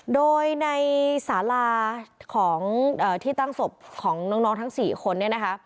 โดยในสาราของที่ตั้งศพของน้องทั้ง๔คนเนี่ยนะคะ